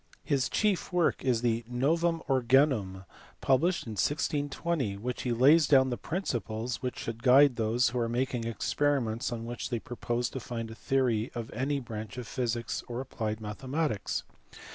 His chief work is the Novum Organum, published in 1620, in which he lays down the principles which should guide those who are making experiments on which they propose to found a theory of any branch of physics or applied mathematics.